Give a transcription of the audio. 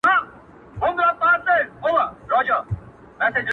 • خدایه سترګي مي ړندې ژبه ګونګۍ کړې ,